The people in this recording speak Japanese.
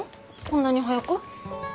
こんなに早く？